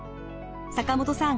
坂本さん